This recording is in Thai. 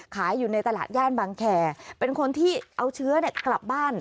ขายอยู่ในตลาดย่านบางแคร์เป็นคนที่เอาเชื้อกลับบ้าน